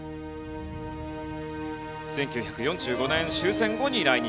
１９４５年終戦後に来日。